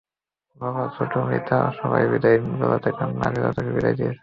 বাবা, ছোটু, মিতা সবাই বিদায় বেলাতে কান্না ভেজা চোখে বিদায় দিয়েছে।